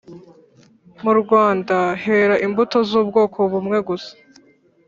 Murwanda hera imbuto zubwoko bumwe gusa